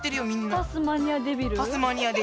タスマニアデビル。